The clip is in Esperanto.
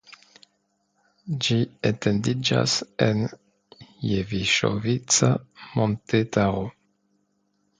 Ĝi etendiĝas en Jeviŝovica montetaro.